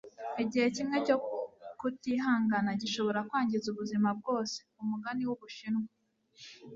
igihe kimwe cyo kutihangana gishobora kwangiza ubuzima bwose. - umugani w'ubushinwa